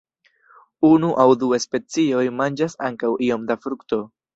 Unu aŭ du specioj manĝas ankaŭ iom da frukto.